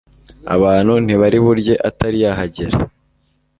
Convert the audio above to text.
abantu ntibari burye atari yahagera